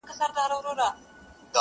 • دوکان دوک دی یا کان دی -